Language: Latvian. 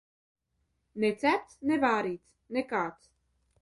Ne cepts, ne vārīts. Nekāds.